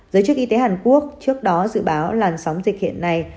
giới chức y tế hàn quốc trước đó dự báo làn sóng dịch hiện nay